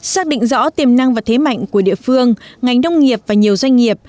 xác định rõ tiềm năng và thế mạnh của địa phương ngành nông nghiệp và nhiều doanh nghiệp